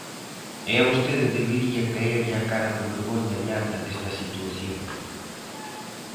E a vostede debería caerlle a cara de vergoña diante desta situación.